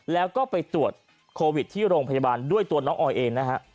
แล้วก็ไปตรวจโควิดที่โรงพยาบาลด้วยตัวน้องออยเองนะฮะ